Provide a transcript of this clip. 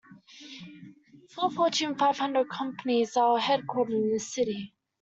Four Fortune Five Hundred companies are headquartered in this city.